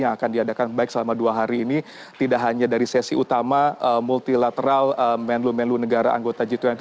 yang akan diadakan baik selama dua hari ini tidak hanya dari sesi utama multilateral menlu menlu negara anggota g dua puluh